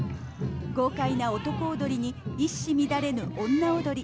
豪快な男踊りに、一糸乱れぬ女踊り。